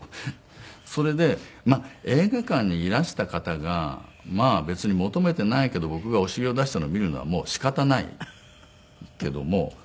それで映画館にいらした方がまあ別に求めていないけど僕がお尻を出したの見るのはもう仕方ないけども。